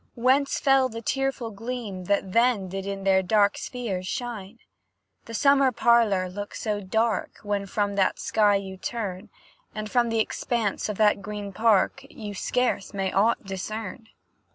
Whence fell the tearful gleam that then Did in their dark spheres shine? The summer parlour looks so dark, When from that sky you turn, And from th'expanse of that green park, You scarce may aught discern.